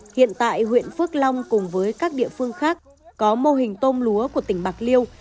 hiện tại huyện phước long cùng với các địa phương khác có mô hình tôm lúa của tỉnh bạc liêu